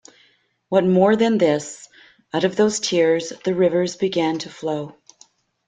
What more than this, out of those tears, the rivers began to flow.